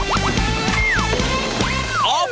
พระบุติคือ